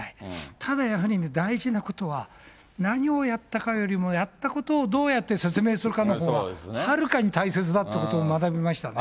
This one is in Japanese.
ただやはりね、大事なことは何をやったかよりも、やったことをどうやって説明するかのほうが、はるかに大切だってことを学びましたね。